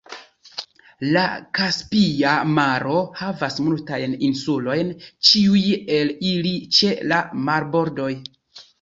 La Kaspia Maro havas multajn insulojn, ĉiuj el ili ĉe la marbordoj.